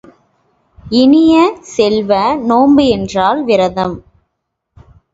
இனிய செல்வ, நோன்பு என்றால் விரதம்!